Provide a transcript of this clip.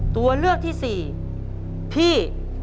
ตัวเลือกที่๔พี่